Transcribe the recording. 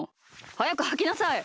はやくはきなさい！